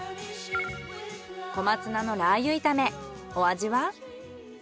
小松菜のラー油炒めお味は？